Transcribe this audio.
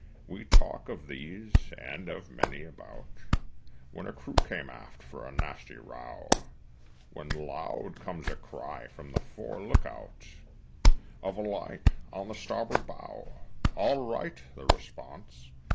We talk of these and of many a bout When a crew came aft for a nasty row When loud comes a cry from the fore look out Of a light on the starboard bow. "All right!" the response.